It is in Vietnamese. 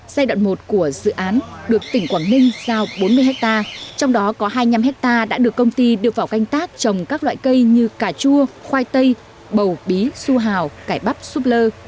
giai đoạn một của dự án được tỉnh quảng ninh giao bốn mươi hectare trong đó có hai mươi năm hectare đã được công ty đưa vào canh tác trồng các loại cây như cà chua khoai tây bầu bí su hào cải bắp súp lơ